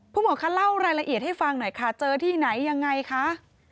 คุณหมอคะเล่ารายละเอียดให้ฟังหน่อยค่ะเจอที่ไหนยังไงคะ